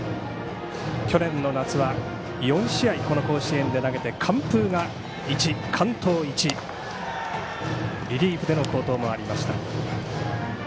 去年の夏は４試合、この甲子園で投げて完封が１、完投１リリーフでの好投もありました。